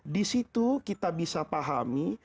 di situ kita bisa pahami